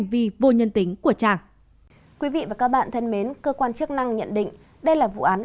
vì vô nhân tính của tràng quý vị và các bạn thân mến cơ quan chức năng nhận định đây là vụ án